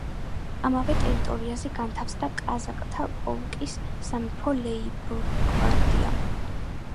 ამავე ტერიტორიაზე განთავსდა კაზაკთა პოლკის სამეფო ლეიბ-გვარდია.